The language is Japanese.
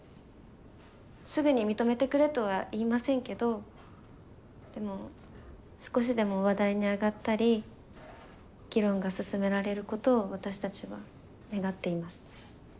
すぐに認めてくれとは言いませんけどでも少しでも話題に上がったり議論が進められることを私たちは願っています。